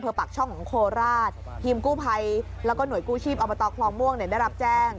ปากช่องของโคราชทีมกู้ภัยแล้วก็หน่วยกู้ชีพอบตคลองม่วงเนี่ยได้รับแจ้ง